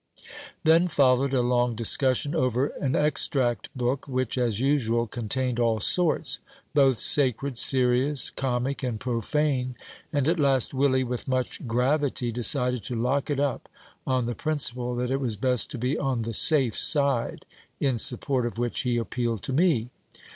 Then followed a long discussion over an extract book, which, as usual, contained all sorts, both sacred, serious, comic, and profane; and at last Willie, with much gravity, decided to lock it up, on the principle that it was best to be on the safe side, in support of which he appealed to me.